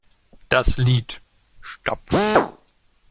Das Lied "Stop!